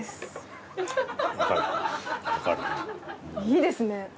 いいですね。